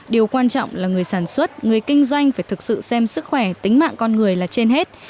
điều quan trọng là người sản xuất người kinh doanh phải thực sự xem sức khỏe tính mạng con người là trên hết